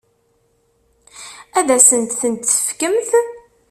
Ad asen-tent-tefkemt?